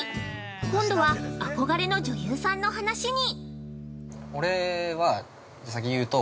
今度は憧れの女優さんの話に。